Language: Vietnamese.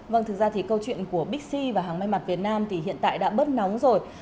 vâng thực ra thì câu chuyện của bixi và hàng may mặt việt nam thì hiện tại đã bớt nóng rồi